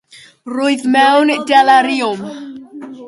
Roedd mewn deliriwm.